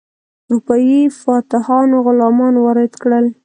اروپایي فاتحانو غلامان وارد کړل.